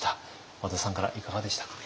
和田さんからいかがでしたか？